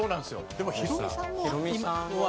でもヒロミさんも。